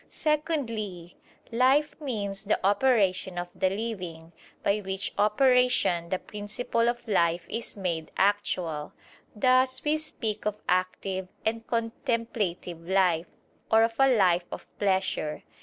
Secondly, life means the operation of the living, by which operation the principle of life is made actual: thus we speak of active and contemplative life, or of a life of pleasure.